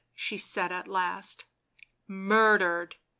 she said at last. " Murdered